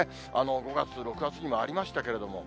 ５月、６月にもありましたけれども。